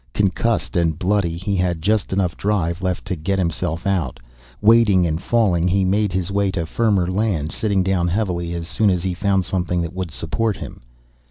Concussed and bloody, he had just enough drive left to get himself out. Wading and falling he made his way to firmer land, sitting down heavily as soon as he found something that would support him.